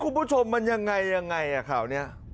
คุณผู้ชมมันอย่างไรข่าวนี้